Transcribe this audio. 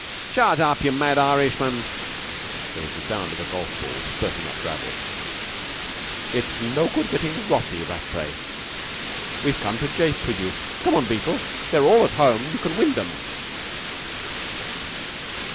"Shut up, you mad Irishman!" There was the sound of a golf ball spurting up gravel. "It's no good getting wrathy, Rattray. We've come to jape with you. Come on, Beetle. They're all at home. You can wind 'em."